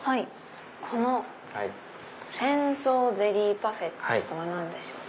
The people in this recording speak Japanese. この仙草ゼリーパフェとは何でしょう？